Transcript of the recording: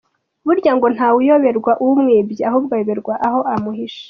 Burya ngo ntawuyoberwa umwibye ahubwo ayoberwa aho yamuhishe !